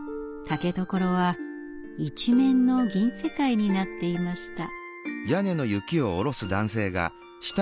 竹所は一面の銀世界になっていました。